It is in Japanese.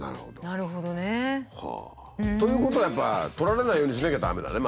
なるほどね。ということはやっぱとられないようにしなきゃ駄目だね